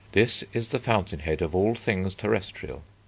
This is the fountain head of all things terrestrial.